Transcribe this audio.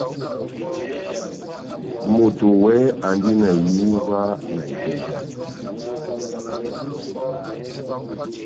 Moto wɛhɛ andi na ihúwa na edub'aju.